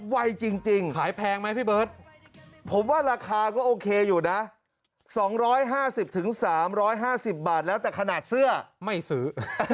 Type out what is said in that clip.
ไวจริงขายแพงไหมพี่เบิร์ตผมว่าราคาก็โอเคอยู่นะ๒๕๐๓๕๐บาทแล้วแต่ขนาดเสื้อไม่ซื้อ